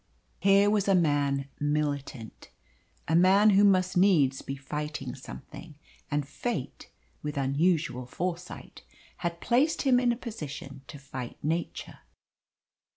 Here was a man militant. A man who must needs be fighting something, and Fate, with unusual foresight, had placed him in a position to fight Nature.